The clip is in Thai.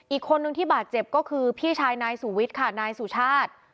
อีกคนนึงที่บาดเจ็บก็คือพี่ชายนายสุวิทย์ค่ะนายสุชาติ